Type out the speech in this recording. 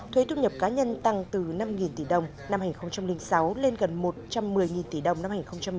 thuế thu nhập cá nhân tăng từ năm tỷ đồng năm hai nghìn sáu lên gần một trăm một mươi tỷ đồng năm hai nghìn một mươi chín